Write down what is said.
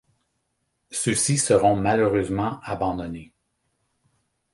Ceux-ci seront malheureusement abandonnés.